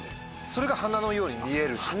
それが花のように見えると。